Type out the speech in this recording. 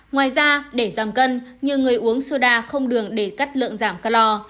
ngoài ra để giảm cân nhiều người uống soda không đường để cắt lượng giảm calor